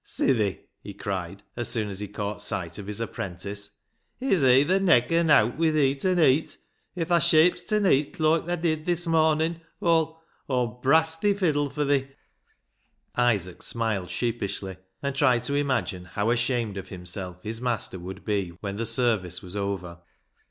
" Sithi'," he cried, as soon as he caught sight of his apprentice, " it's aither neck or nowt wi' thee ta neet." If thaa shapes ta neet loike thaa did this mornin' Aw'll — Aw'll brast thi fiddle fur thee." Isaac smiled sheepishly, and tried to imagine how ashamed of himself his master would be when the service was over.